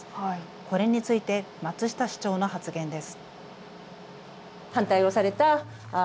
これについて松下市長の発言です。